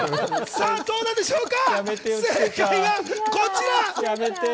さぁ、どうなんでしょうか。